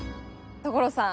所さん